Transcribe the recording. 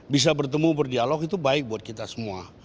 bisa bertemu berdialog itu baik buat kita semua